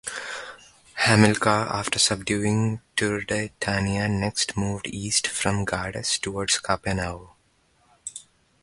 Hamilcar, after subduing Turdetania next moved east from Gades towards Cape Nao.